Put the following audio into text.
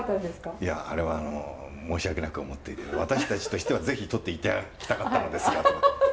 「いやあれはあの申し訳なく思っていて私たちとしては是非取って頂きたかったのですが」とか。